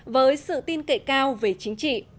với sự tin kể cao về chính trị